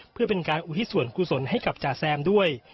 เพื่อเป็นการอุทิศส่วนกุศลให้กับจ๋าแซมด้วย